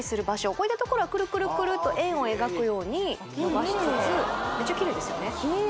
こういった所はクルクルクルと円を描くようにのばしつつメッチャキレイですよね